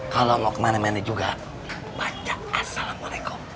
kalau mau ke mani mani juga baca assalamualaikum